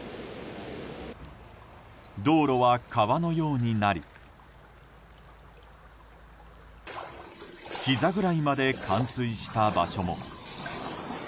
道路は川のようになりひざぐらいまで冠水した場所も。